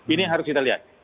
ini harus kita lihat